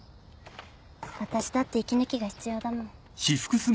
私だって息抜きが必要だもん。